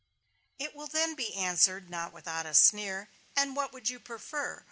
It will then be answered, not without a sneer, "And what would you prefer?